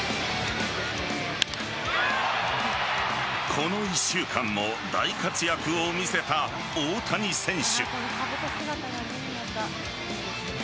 この１週間も大活躍を見せた大谷選手。